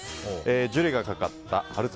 ジュレがかかった春雨